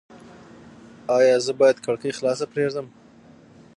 ایا زه باید کړکۍ خلاصه پریږدم؟